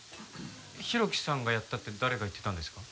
浩喜さんがやったって誰が言ってたんですか？